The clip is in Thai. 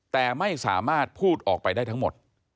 แต่ไม่สามารถพูดออกไปได้ทั้งหมด